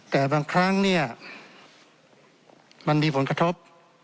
แต่บางครั้งเนี่ยมันมีผลกระทบ